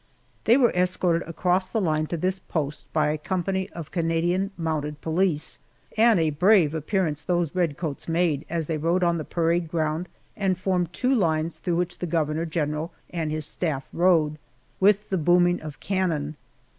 They were escorted across the line to this post by a company of Canadian mounted police, and a brave appearance those redcoats made as they rode on the parade ground and formed two lines through which the governor general and his staff rode, with the booming of cannon.